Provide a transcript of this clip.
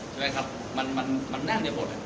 ใช่ไหมครับมันแน่นไปหมด